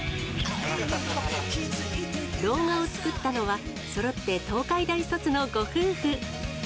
動画を作ったのは、そろって東海大卒のご夫婦。